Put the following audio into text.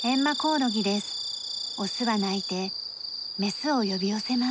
オスは鳴いてメスを呼び寄せます。